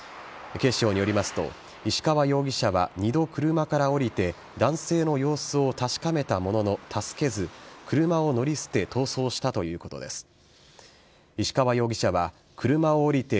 警視庁によりますと石川容疑者は２度車から降りて男性の様子を確かめたものの助けず車を乗り捨て逃走したということです。